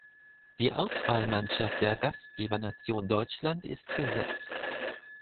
Die Auswahlmannschaft der Gastgebernation Deutschland ist gesetzt.